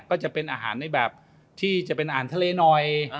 ก็จะเป็นอาหารในแบบที่จะเป็นอาหารทะเลหน่อย